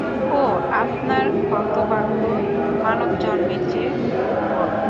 ও আপনার হতভাগ্য মানবজন্মের চেয়ে বড়ো।